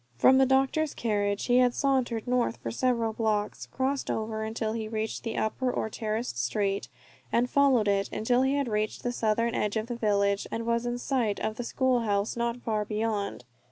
From the doctor's cottage he had sauntered north for several blocks, crossed over, until he reached the upper or terraced street, and followed it until he had reached the southern edge of the village and was in sight of the school house not far beyond.